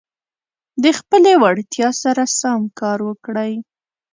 د خپلي وړتیا سره سم کار وکړئ.